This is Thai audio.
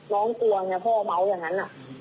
น้องกลัวไงพ่อเมาส์อย่างนั้น